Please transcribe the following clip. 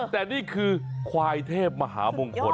แต่นี่คือควายเทพมหามงคล